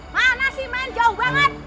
mana sih main jauh banget